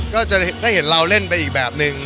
ก็จะได้เห็นเราเล่นไปอีกแบบนึง